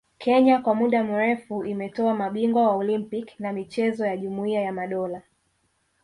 Kenya kwa muda mrefu imetoa mabingwa wa Olimpiki na michezo ya Jumuia ya Madola